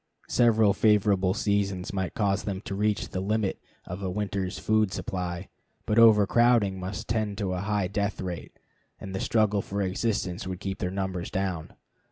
Several favorable seasons might cause them to reach the limit of a winter's food supply, but overcrowding must tend to a high death rate, and the struggle for existence would keep their number down.